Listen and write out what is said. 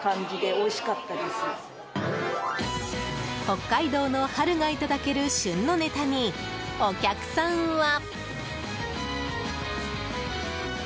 北海道の春がいただける旬のネタに、お客さんは。